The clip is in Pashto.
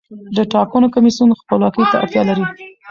د ټاکنو کمیسیون خپلواکۍ ته اړتیا لري